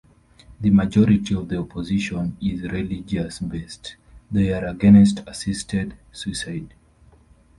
The majority of the opposition is religious based, they are against assisted suicide.